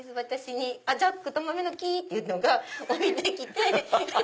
『ジャックと豆の木』っていうのが降りてきて。